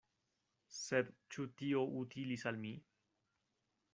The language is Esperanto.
Sed ĉu tio utilis al mi?